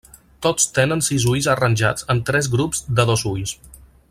Tots tenen sis ulls arranjats en tres grups de dos ulls.